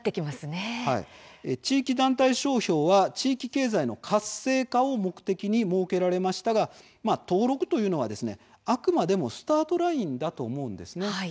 地域団体商標は地域経済の活性化を目的に設けられましたが登録というのは、あくまでもスタートラインだと思うんです。